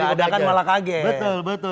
kalau gak ada kan malah kaget